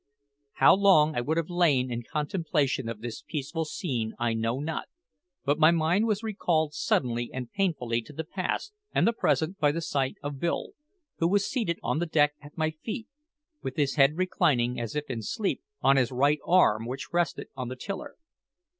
How long I would have lain in contemplation of this peaceful scene I know not, but my mind was recalled suddenly and painfully to the past and the present by the sight of Bill, who was seated on the deck at my feet, with his head reclining, as if in sleep, on his right arm, which rested on the tiller.